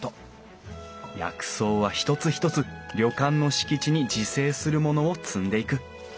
薬草は一つ一つ旅館の敷地に自生するものを摘んでいく